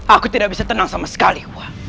aku tidak bisa tenang sama sekali